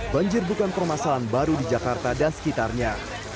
banjir bukan permasalahan baru di jakarta dan sekitarnya